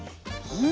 うん。